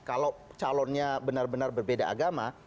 kalau calonnya benar benar berbeda agama